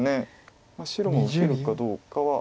白も受けるかどうかは。